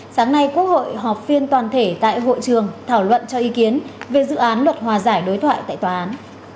sáng nay quốc hội họp phiên toàn thể tại hội trường thảo luận cho ý kiến về dự án luật hòa giải đối thoại tại tòa án